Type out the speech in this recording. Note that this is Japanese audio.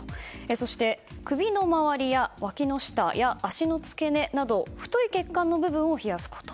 そして、首の回りや脇の下、足の付け根など太い血管の部分を冷やすこと。